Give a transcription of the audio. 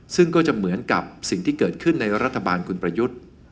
ซึ่งก็จะเหมือนกับสิ่งที่เกิดขึ้นในรัฐบาลคุณประยุทธ์